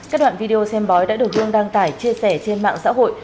các đoạn video xem bói đã được dương đăng tải chia sẻ trên mạng xã hội